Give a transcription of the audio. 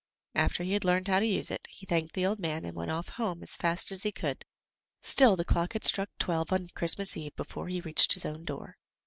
After he had learned how to use it, he thanked the old man and went off home as fast as he could; still the clock had struck twelve on Christmas eve before he reached his own door.